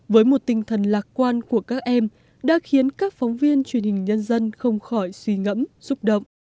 với một tinh thần lạc quan của các em đã khiến các phóng viên truyền hình nhân dân không khỏi suy ngẫm xúc động